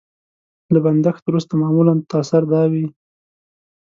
له بندښت وروسته معمولا تاثر دا وي.